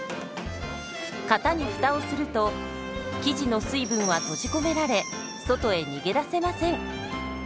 型にフタをすると生地の水分は閉じ込められ外へ逃げ出せません。